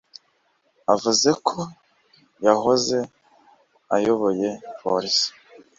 avuze ko yahoze ayoboye polisi